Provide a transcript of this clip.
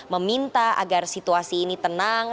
meminta agar situasi ini tenang